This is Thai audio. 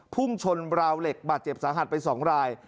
พุ่งชนราวเหล็กบาดเจ็บสาหัสไป๒ราย